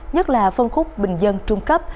nhất là phân khúc bình dân trung cấp